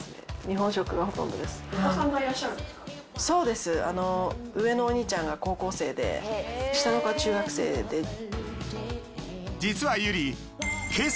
そうです上のお兄ちゃんが高校生で下の子は中学生で。